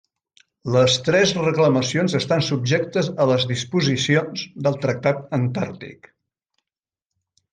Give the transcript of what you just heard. Les tres reclamacions estan subjectes a les disposicions del Tractat Antàrtic.